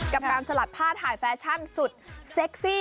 กับการสลัดผ้าถ่ายแฟชั่นสุดเซ็กซี่